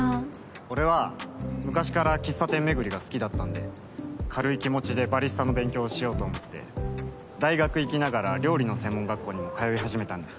俺は昔から喫茶店巡りが好きだったんで軽い気持ちでバリスタの勉強をしようと思って大学行きながら料理の専門学校にも通い始めたんです。